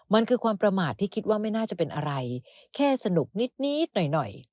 มันคือความประมาทที่คิดว่าไม่น่าจะเป็นอะไรแค่สนุกนิดหน่อย